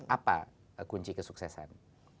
apa kunci kesuksesan